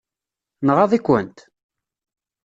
Nɣaḍ-ikent?